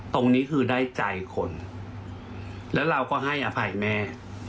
ตรงนี้คือได้ใจคนแล้วเราก็ให้อภัยแม่